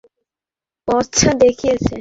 আর তারা আমাদের পথটা দেখিয়েছে।